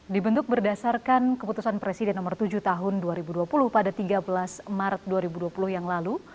dibentuk berdasarkan keputusan presiden nomor tujuh tahun dua ribu dua puluh pada tiga belas maret dua ribu dua puluh yang lalu